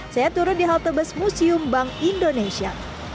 saya turun di halte bus museum bank indonesia